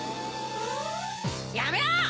やめろ！